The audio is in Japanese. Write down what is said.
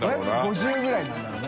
５５０ぐらいなんだろうね。